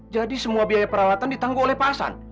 jadi semua biaya peralatan ditangguh oleh pak hasan